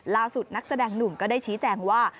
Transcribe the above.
นักแสดงหนุ่มก็ได้ชี้แจงว่า